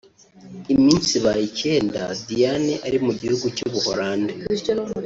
Iminsi ibaye icyenda Diane ari mu gihugu cy’u Buhorande